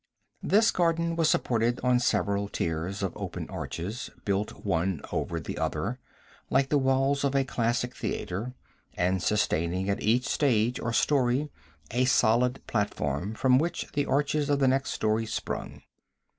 This garden was supported on several tiers of open arches, built one over the other, like the walls of a classic theatre, and sustaining at each stage, or story, a solid platform from which the arches of the next story sprung.